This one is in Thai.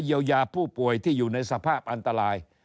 เยียวยาผู้ป่วยที่อยู่ในสภาพอันตราย